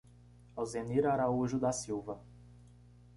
Alzenira Araújo da Silva